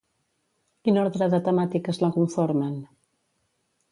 Quin ordre de temàtiques la conformen?